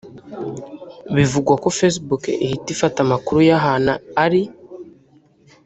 bivugwa ko Facebook ihita ifata amakuru y’ahantu ari